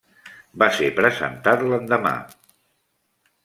Va ser presentat l'endemà.